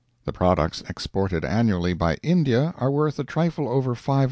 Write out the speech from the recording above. The products exported annually by India are worth a trifle over $500,000,000.